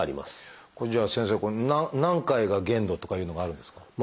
これじゃあ先生何回が限度とかいうのがあるんですか？